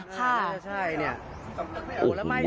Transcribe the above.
ค่ะใช่เนี่ย